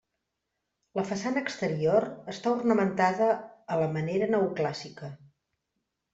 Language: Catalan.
La façana exterior està ornamentada a la manera neoclàssica.